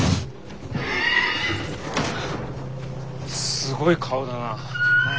すごい顔だな。